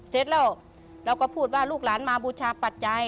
เสร็จแล้วเราก็พูดว่าลูกหลานมาบูชาปัจจัย